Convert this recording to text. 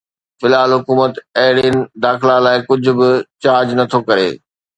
في الحال، حڪومت اهڙين داخلا لاء ڪجھ به چارج نٿو ڪري